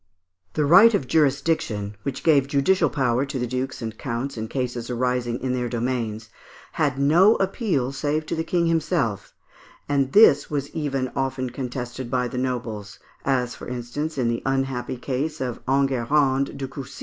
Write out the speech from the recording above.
The right of jurisdiction, which gave judicial power to the dukes and counts in cases arising in their domains, had no appeal save to the King himself, and this was even often contested by the nobles, as for instance, in the unhappy case of Enguerrand de Coucy.